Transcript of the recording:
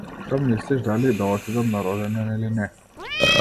Што мислиш дали да отидам на роденден или не?